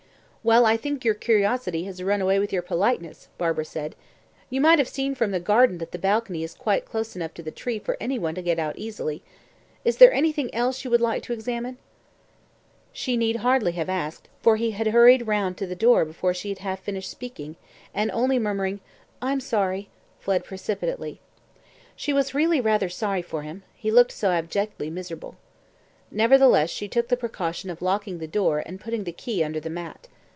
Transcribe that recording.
"Well, I think your curiosity has run away with your politeness," Barbara said. "You might have seen from the garden that the balcony is quite close enough to the tree for any one to get out easily. Is there anything else you would like to examine?" She need hardly have asked, for he had hurried round to the door before she had half finished speaking, and, only murmuring, "I'm sorry," fled precipitately. She was really rather sorry for him; he looked so abjectly miserable. Nevertheless, she took the precaution of locking the door and putting the key under the mat.